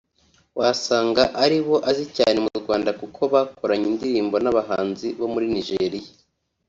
wasanga ari bo azi cyane mu Rwanda kuko bakoranye indirimbo n’abahanzi bo muri Nigeria